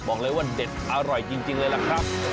บอกเลยว่าเด็ดอร่อยจริงเลยล่ะครับ